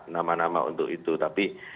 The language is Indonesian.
nama nama untuk itu tapi